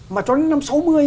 mà cho đến năm sáu mươi